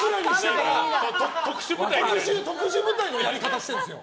特殊部隊のやり方してるんですよ。